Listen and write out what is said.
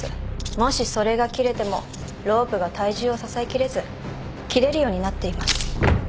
もしそれが切れてもロープが体重を支えきれず切れるようになっています。